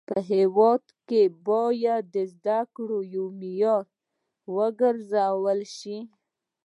په هيواد کي باید زده کړه يو معيار و ګرځول سي.